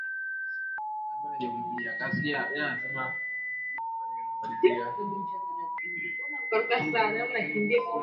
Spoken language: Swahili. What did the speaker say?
Viwanda havikutibu maji yao kabla ya kuyaachilia kwenye mabomba ya Manisipaa